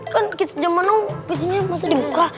kan kids jaman now pecinya masih dibuka